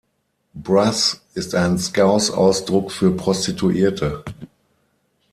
Brass ist ein Scouse-Ausdruck für Prostituierte.